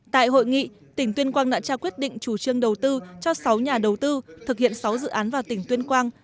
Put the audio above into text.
tại hội nghị tỉnh tuyên quang đã trao quyết định chủ trương đầu tư cho sáu nhà đầu tư thực hiện sáu dự án vào tỉnh tuyên quang